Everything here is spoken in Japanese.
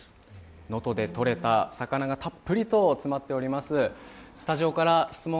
能登でとれた魚がたっぷりと詰まっております。